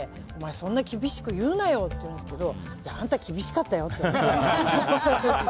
そんなに厳しく言うなっていうんですけどいや、あんた厳しかったよって。